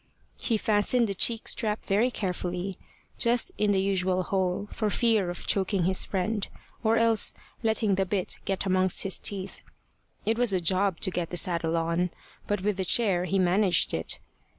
He fastened the cheek strap very carefully, just in the usual hole, for fear of choking his friend, or else letting the bit get amongst his teeth. It was a job to get the saddle on; but with the chair he managed it.